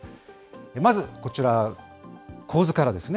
まずこちら、構図からですね。